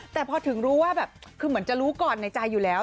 แต่พอถึงรู้ว่าแบบคือเหมือนจะรู้ก่อนในใจอยู่แล้ว